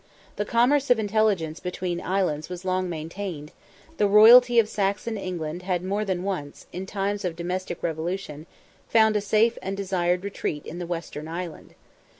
The commerce of intelligence between the islands was long maintained; the royalty of Saxon England had more than once, in times of domestic revolution, found a safe and desired retreat in the western island.